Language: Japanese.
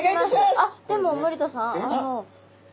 あっでも森田さん